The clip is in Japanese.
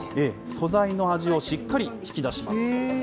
素材の味をしっかり引き出します。